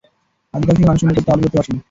আদিকাল থেকেই মানুষ মনে করত আলোর গতি অসীম।